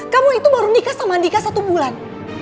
kamu itu baru nikah sama andika satu bulan